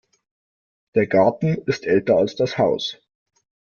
Der Garten ist älter als das Haus.